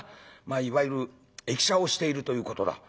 まあいわゆる易者をしているということだ」。